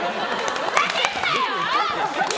ふざけんなよ！